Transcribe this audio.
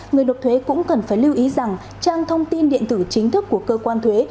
người nộp thuế cũng cần phải lưu ý rằng trang thông tin điện tử chính thức của cơ quan thuế